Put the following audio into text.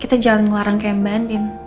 kita jangan ngelarang kayak mbak andin